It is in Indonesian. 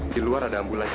di luar ada ambulans